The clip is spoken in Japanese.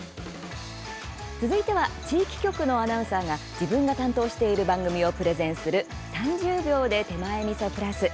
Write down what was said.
続いては地域局のアナウンサーが自分が担当している番組をプレゼンする「３０秒で手前みそプラス」。